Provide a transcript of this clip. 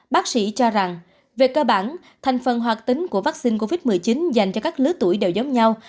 bác sĩ cho rằng về cơ bản thành phần hoạt tính của vaccine covid một mươi chín dành cho các lứa tuổi đều giống nhau